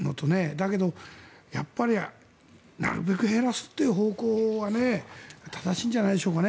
だけどなるべく減らすという方向は正しいんじゃないでしょうかね。